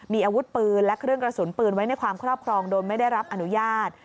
มีอาวุธปืนและเครื่องกระสุนปืนไว้ในความครอบครองโดยไม่ได้รับอนุญาต